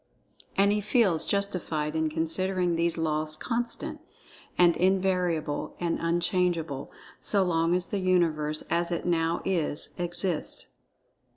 And he feels justified in considering these Laws constant, and invariable, and unchangeable so long as the Universe, as it now is, exists.